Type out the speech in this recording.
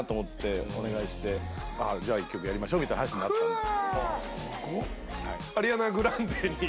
じゃあ１曲やりましょうみたいな話になったんです。